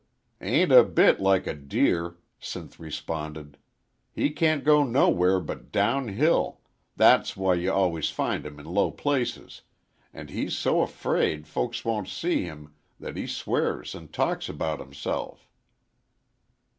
"Ain't a bit like a deer," Sinth responded. "He can't go nowhere but down hill that's why ye always find him in low places an' he's so 'fraid folks won't see him that he swears an' talks about himself."